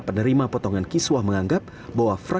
kemudian kiswah dari masbara